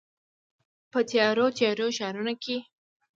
په تیارو، تیارو ښارونو کې